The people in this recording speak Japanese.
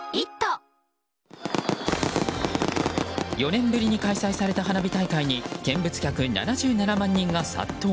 ４年ぶりに開催された花火大会に見物客７７万人が殺到。